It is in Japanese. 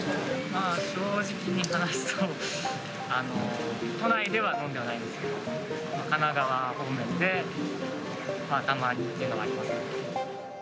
正直に話すと、都内では飲んではないんですけど、神奈川方面でたまにっていうのはあります。